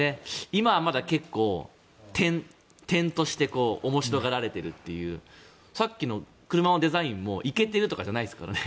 今はまだ結構点として面白がられているというさっきの車のデザインもいけてるというのじゃないですからね。